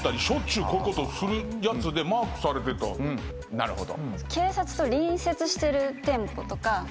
なるほど。